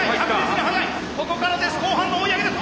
ここからです後半の追い上げです！